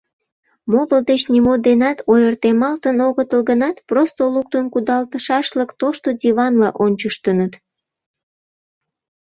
Моло деч нимо денат ойыртемалтын огытыл гынат, просто луктын кудалтышашлык тошто диванла ончыштыныт.